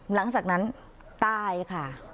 หลังจากนั้นตายค่ะ